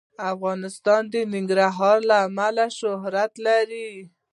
افغانستان د ننګرهار له امله شهرت لري.